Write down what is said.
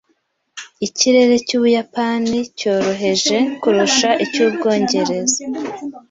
Ikirere cy’Ubuyapani cyoroheje kurusha icy'Ubwongereza.